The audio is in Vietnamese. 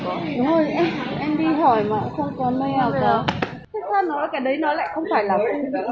thôi em đi hỏi mà không có mail rồi đó